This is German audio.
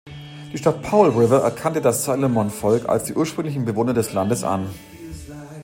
Die Stadt Powell River erkannte das Sliammon-Volk als die ursprünglichen Bewohner des Landes an.